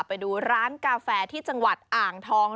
ไปดูร้านกาแฟที่จังหวัดอ่างทอง